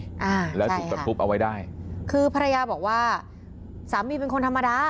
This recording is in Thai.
อ่าแล้วถูกประทุบเอาไว้ได้คือภรรยาบอกว่าสามีเป็นคนธรรมดา